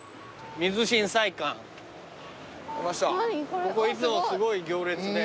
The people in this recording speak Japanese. ここいつもすごい行列で。